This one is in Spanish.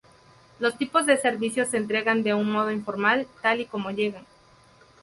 Los tipos de servicio se entregan de un modo informal tal y como llegan.